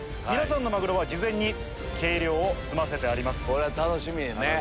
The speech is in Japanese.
これは楽しみやね。